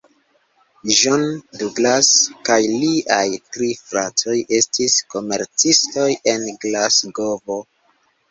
John Douglas kaj liaj tri fratoj estis komercistoj en Glasgovo.